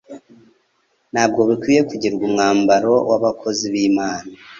ntabwo bikwinye kugirwa umwambaro w'abakozi b'Imana,